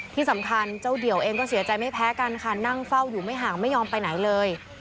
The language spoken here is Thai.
ที่สำคัญเจ้าเดี่ยวเองก็เสียใจไม่แพ้กันค่ะนั่งเฝ้าอยู่ไม่ห่างไม่ยอมไปไหนเลย